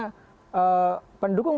tahap hai heart